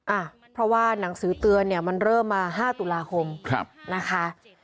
อ่ะเพราะว่าหนังสือเตือนเนี่ยมันเริ่มมา๕ตุลาคมนะคะ